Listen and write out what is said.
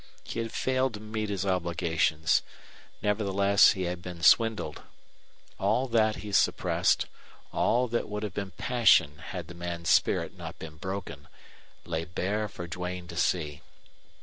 He had failed to meet his obligations; nevertheless, he had been swindled. All that he suppressed, all that would have been passion had the man's spirit not been broken, lay bare for Duane to see.